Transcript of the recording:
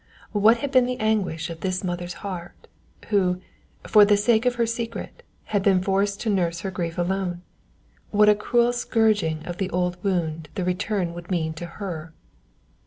What had been the anguish of this mother's heart, who, for the sake of her secret, had been forced to nurse her grief alone? What a cruel scourging of the old wound the return would mean to her.